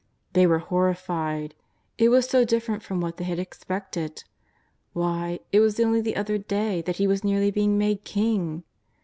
They were horrified. It was so different from Tzhat they had expected. Why, it was only the other day that He was nearly being made King!